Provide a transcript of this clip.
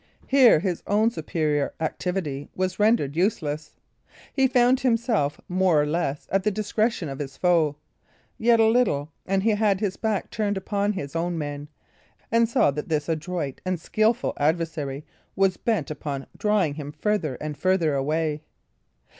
Here his own superior activity was rendered useless; he found himself more or less at the discretion of his foe; yet a little, and he had his back turned upon his own men, and saw that this adroit and skilful adversary was bent upon drawing him farther and farther away.